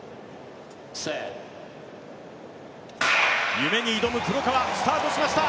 夢に挑む黒川スタートしました。